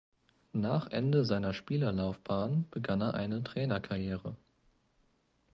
Nach Ende seiner Spielerlaufbahn begann er eine Trainerkarriere.